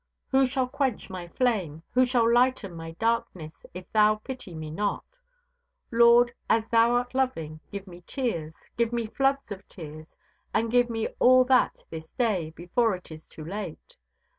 Who shall quench my flame, who shall lighten my darkness, if Thou pity me not? Lord, as Thou art loving, give me tears, give me floods of tears, and give me all that this day, before it be too late.